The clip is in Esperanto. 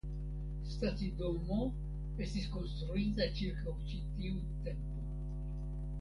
Stacidomo estis konstruita ĉirkaŭ ĉi tiu tempo.